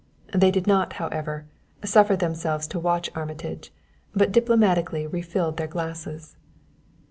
They did not, however, suffer themselves to watch Armitage, but diplomatically refilled their glasses.